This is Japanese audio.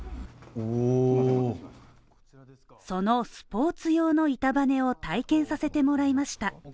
そのスポーツ用の板バネを体験させてもらいました